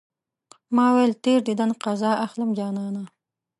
ما ويل تېر ديدن قضا اخلم جانانه